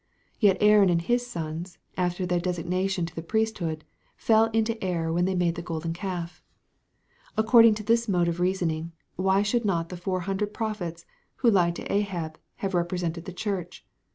Yet Aaron and his sons, after their designation to the priesthood, fell into error when they made the golden calf. According to this mode of reasoning, why should not the four hundred prophets, who lied to Ahab, have represented the Church?